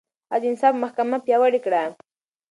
هغه د انصاف محکمه پياوړې کړه.